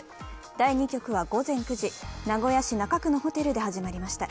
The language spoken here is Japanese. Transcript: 第２局は午前９時、名古屋市中区のホテルで始まりました。